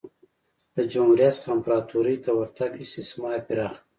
له جمهوریت څخه امپراتورۍ ته ورتګ استثمار پراخ کړ